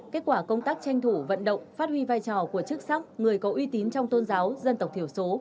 kết quả công tác tranh thủ vận động phát huy vai trò của chức sắc người có uy tín trong tôn giáo dân tộc thiểu số